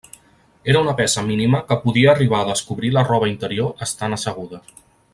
Era una peça mínima que podia arribar a descobrir la roba interior estant asseguda.